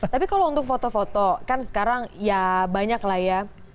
tapi kalau untuk foto foto kan sekarang ya banyak lah ya